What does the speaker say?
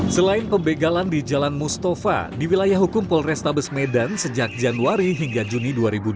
selain pembegalan di jalan mustafa di wilayah hukum polrestabes medan sejak januari hingga juni dua ribu dua puluh